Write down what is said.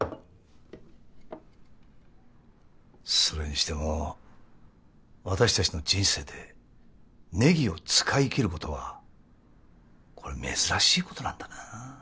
それにしても私たちの人生でネギを使い切ることはこれ珍しいことなんだな。